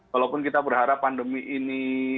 walaupun kita berharap pandemi ini